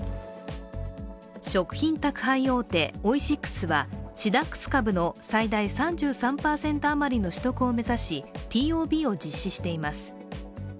食品宅配大手オイシックスは、シダックス株の最大３３％あまりの取得を目指しＴＯＢを実施しています。